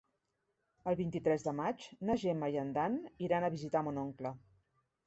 El vint-i-tres de maig na Gemma i en Dan iran a visitar mon oncle.